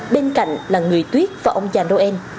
bên cạnh là người tuyết và ông già noel